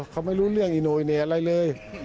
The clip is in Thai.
เขาไม่รู้เรื่องอีโน่เน่อะไรเลย